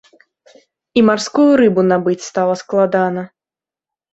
І марскую рыбу набыць стала складана.